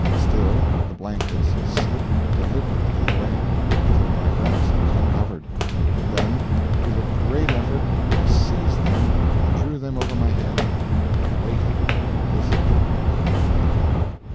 Still the blankets slipped deliberately away, till my breast was uncovered. Then with a great effort I seized them and drew them over my head. I waited, listened, waited.